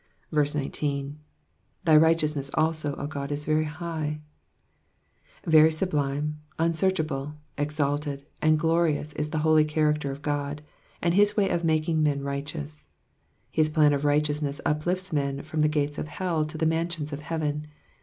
19. 7%y righteousness also, 0 Qod, is very highy Very sublime, unsearch able, exalted, and glorious is the holy character of God, and his way of making men righteous. His plan of righteousness uplifts men from the gates of hell to the mansions of heaven.